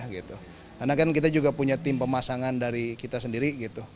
karena kita juga punya tim pemasangan dari kita sendiri